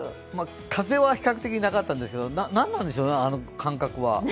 風は比較的なかったんですけど、何なんでしょうね、あの感覚は。